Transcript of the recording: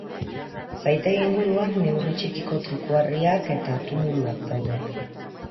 Zaitegi inguruan neurri txikiko trikuharriak eta tumuluak daude.